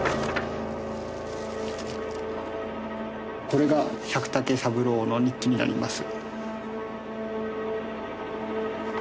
これが百武三郎の日記になります。